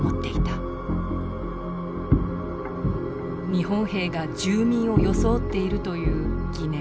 日本兵が住民を装っているという疑念。